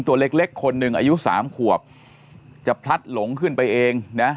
ตัวเล็กเล็กคนหนึ่งอายุสามขวบจะพลัดหลงขึ้นไปเองนะ